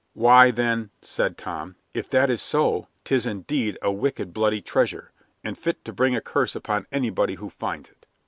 "Why, then," said Tom, "if that is so, 'tis indeed a wicked, bloody treasure, and fit to bring a curse upon anybody who finds it!"